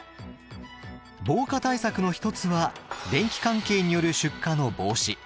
防火対策の一つは電気関係による出火の防止。